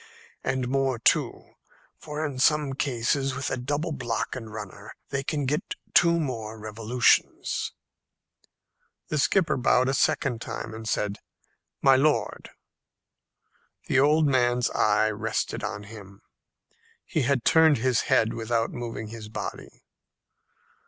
And more too. For in some cases, with a double block and runner, they can get two more revolutions." The skipper bowed a second time, and said, "My lord!" The old man's eye rested on him; he had turned his head without moving his body.